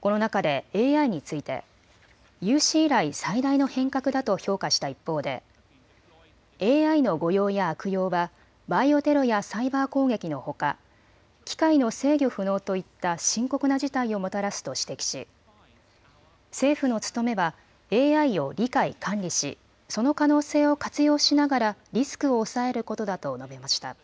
この中でＡＩについて有史以来、最大の変革だと評価した一方でＡＩの誤用や悪用はバイオテロやサイバー攻撃のほか機械の制御不能といった深刻な事態をもたらすと指摘し政府の務めはＡＩを理解・管理しその可能性を活用しながらリスクを抑えることだと述べました。